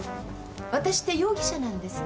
わたしって容疑者なんですか？